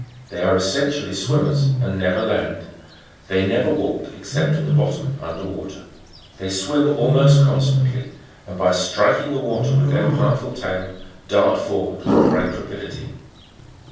They are essentially^wimmers, and never land ; they never walk except at the bottom, under water ; they swim almost constantly, and by striking the water with their powerful tail, dart forward with great rapidity.